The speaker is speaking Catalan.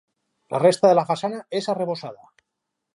La resta de la façana és arrebossada.